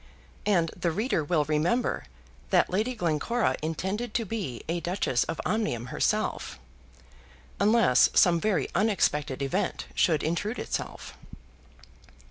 And the reader will remember that Lady Glencora intended to be a Duchess of Omnium herself, unless some very unexpected event should intrude itself.